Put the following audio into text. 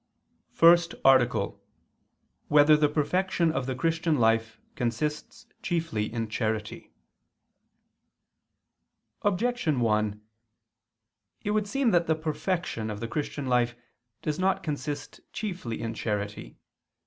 _______________________ FIRST ARTICLE [II II, Q. 184, Art. 1] Whether the Perfection of the Christian Life Consists Chiefly in Charity? Objection 1: It would seem that the perfection of the Christian life does not consist chiefly in charity.